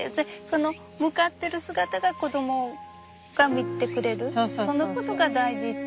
その向かってる姿が子供が見てくれるそのことが大事って思った。